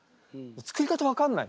作り方分かんない。